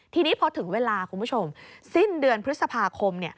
ทีนี้พอถึงเวลาคุณผู้ชมสิ้นเดือนพฤษภาคม